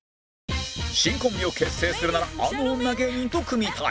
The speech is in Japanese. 新コンビを結成するならあの女芸人と組みたい